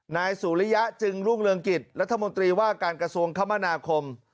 นายสุริยะจึงรุ่งเรืองกิจรัฐมนตรีว่าการกระทรวงคมนาคม